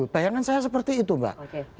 bayangan saya seperti itu mbak